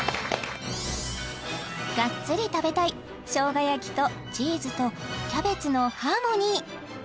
がっつり食べたい生姜焼きとチーズとキャベツのハーモニー